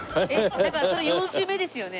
だからそれ４週目ですよね。